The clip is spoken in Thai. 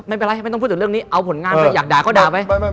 ไม่ต้องพูดถึงเรื่องนี้เอาผลงานไปอยากด่าก็ด่าไป